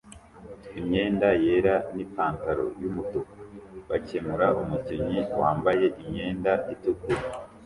imyenda yera nipantaro yumutuku bakemura umukinnyi wambaye imyenda itukura